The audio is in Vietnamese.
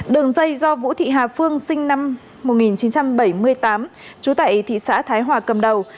đường dây do vũ thị hà phương sinh năm một nghìn chín trăm bảy mươi tám trú tại thị xã thái hòa cầm đầu